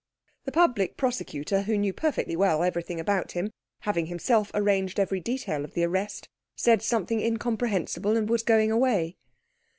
The Public Prosecutor, who knew perfectly well everything about him, having himself arranged every detail of the arrest, said something incomprehensible and was going away.